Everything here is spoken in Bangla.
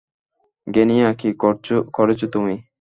গেনিয়া, কী করেছো তুমি?